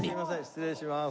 失礼します。